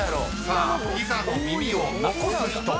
［さあピザの耳を残す人